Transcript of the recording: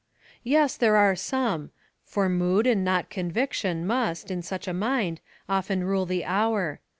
"Yes, there are some; for mood and not conviction must, in such a mind, often rule the hour.